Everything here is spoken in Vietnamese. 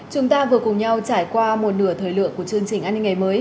chúng ta vừa cùng nhau trải qua một nửa thời lượng của chương trình an ninh ngày mới